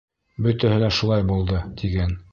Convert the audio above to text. Бөтәһе лә шулай булды, тиген.